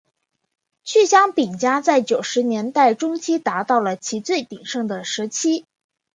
趣香饼家在九十年代中期达到了其最鼎盛的时期。